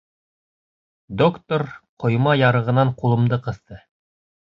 Доктор ҡойма ярығынан ҡулымды ҡыҫты.